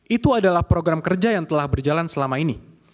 itu adalah program kerja yang telah berjalan selama ini